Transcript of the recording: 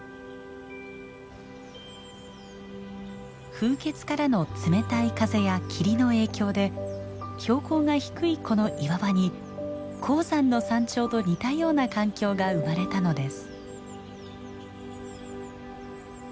風穴からの冷たい風や霧の影響で標高が低いこの岩場に高山の山頂と似たような環境が生まれたのです。